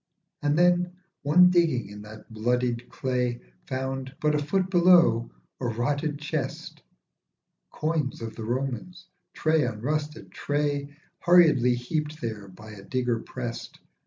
And then one digging in that bloodied clay Found, but a foot below, a rotted chest. Coins of the Romans, tray on rusted tray, Hurriedly heaped there by a digger prest.